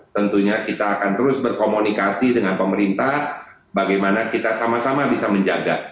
tentunya kita akan terus berkomunikasi dengan pemerintah bagaimana kita sama sama bisa menjaga